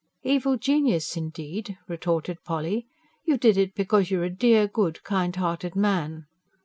"Evil genius, indeed!" retorted Polly. "You did it because you're a dear, good, kind hearted man."